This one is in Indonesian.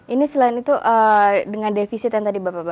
ini selain itu dengan defisit yang tadi bapak bapak